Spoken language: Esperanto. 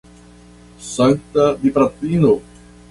Sankta Dipatrino!